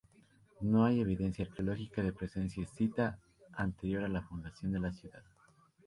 No hay evidencia arqueológica de presencia escita anterior a la fundación de la ciudad.